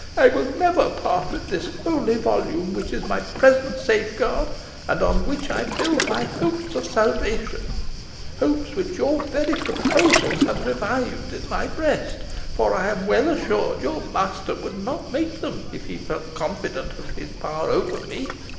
"I will never part with this holy volume, which is my present safeguard, and on which I build my hopes of salvation hopes which your very proposals have revived in my breast; for I am well assured your master would not make them if he felt confident of his power over me.